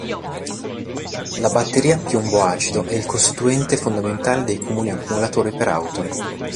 La batteria piombo-acido è il costituente fondamentale dei comuni accumulatori per auto.